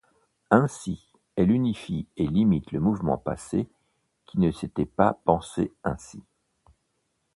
Ainsi, elle unifie et limite le mouvement passé qui ne s'était pas pensé ainsi.